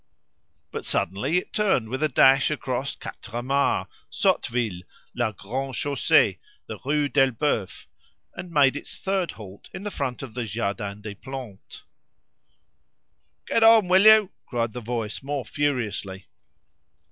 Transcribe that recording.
But suddenly it turned with a dash across Quatremares, Sotteville, La Grande Chaussee, the Rue d'Elbeuf, and made its third halt in front of the Jardin des Plantes. "Get on, will you?" cried the voice more furiously.